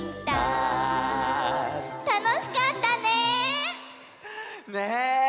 たのしかったね！ね！